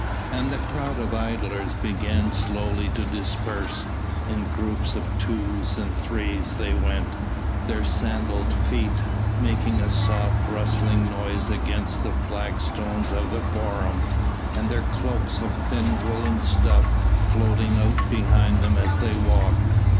And the crowd of idlers began slowly to disperse. In groups of twos and threes they went, their sandalled feet making a soft rustling noise against the flagstones of the Forum, and their cloaks of thin woollen stuff floating out behind them as they walked.